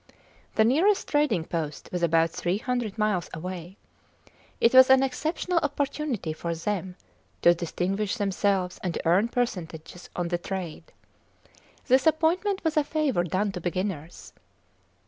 The nearest trading post was about three hundred miles away. It was an exceptional opportunity for them to distinguish themselves and to earn percentages on the trade. This appointment was a favour done to beginners.